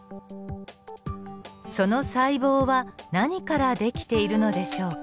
その細胞は何からできているのでしょうか。